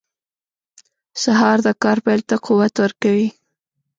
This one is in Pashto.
سهار د کار پیل ته قوت ورکوي.